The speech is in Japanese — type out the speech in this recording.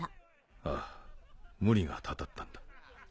ああ無理がたたったんだ。